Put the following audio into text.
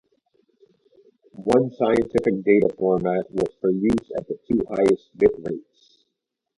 One scientific data format was for use at the two highest bit rates.